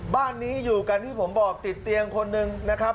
บ้านนี้อยู่กันที่ผมบอกติดเตียงคนหนึ่งนะครับ